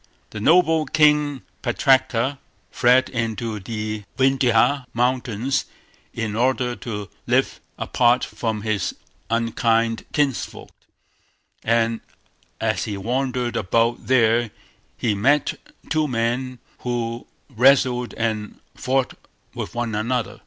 The noble King Putraka fled into the Vindhya mountains in order to live apart from his unkind kinsfolk; and as he wandered about there he met two men who wrestled and fought with one another.